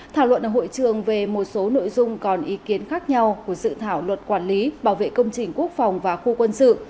thảo luận ở hội trường về một số nội dung còn ý kiến khác nhau của dự thảo luật quản lý bảo vệ công trình quốc phòng và khu quân sự